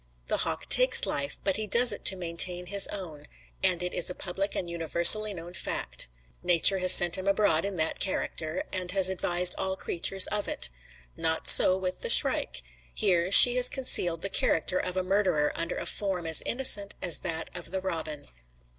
The hawk takes life, but he does it to maintain his own, and it is a public and universally known fact. Nature has sent him abroad in that character, and has advised all creatures of it. Not so with the shrike; here she has concealed the character of a murderer under a form as innocent as that of the robin.